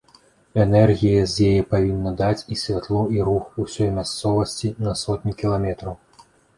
Энергія з яе павінна даць і святло і рух усёй мясцовасці на сотні кіламетраў.